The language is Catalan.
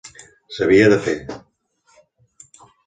S'havia de fer.